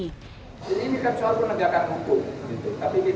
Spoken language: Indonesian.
hukum itu harus dipergatakan dan tidak boleh dipolitisir